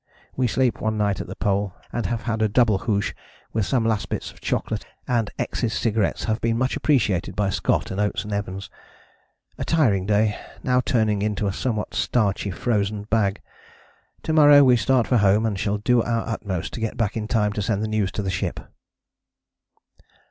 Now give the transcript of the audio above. We sleep one night at the Pole and have had a double hoosh with some last bits of chocolate, and X's cigarettes have been much appreciated by Scott and Oates and Evans. A tiring day: now turning into a somewhat starchy frozen bag. To morrow we start for home and shall do our utmost to get back in time to send the news to the ship."